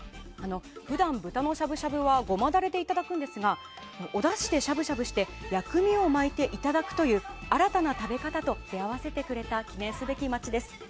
普段、豚のしゃぶしゃぶはごまダレでいただくんですがおだしでしゃぶしゃぶして薬味を巻いていただくという新たな食べ方と出会わせてくれた記念すべき街です。